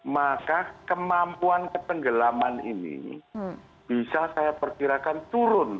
maka kemampuan ketenggelaman ini bisa saya perkirakan turun